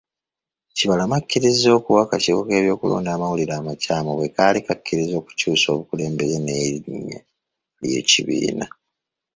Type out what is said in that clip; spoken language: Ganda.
Kibalama akkiriza okuwa akakiiko k'ebyokulonda amawulire amakyamu bwe kaali kakkiriza okukyusa obukulembeze n'erinnya ly'ekibiina.